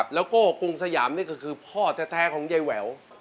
แล้วก็โก้กรุงสยามนี่คือพ่อแท้ของไยเว๋า